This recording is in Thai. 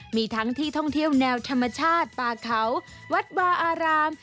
มีทั้งที่ท่องเที่ยวแนวธรรมชาติป่าเขาวัดวาอาราม